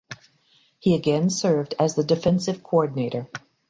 He again served as the defensive coordinator.